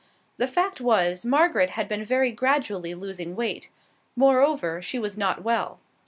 The fact was, Margaret had been very gradually losing weight. Moreover, she was not well.